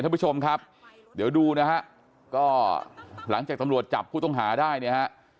ท่านผู้ชมครับเดี๋ยวดูนะฮะก็หลังจากตำรวจจับผู้ต้องหาได้เนี่ยฮะ